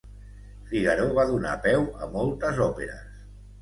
Fígaro va donar peu a moltes òperes.